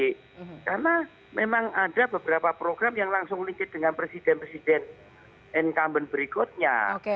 karena memang ada beberapa program yang langsung link in dengan presiden presiden incumbent berikutnya